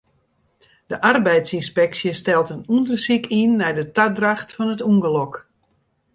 De arbeidsynspeksje stelt in ûndersyk yn nei de tadracht fan it ûngelok.